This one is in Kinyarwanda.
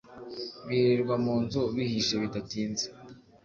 birirwa munzu bihishe bidatinze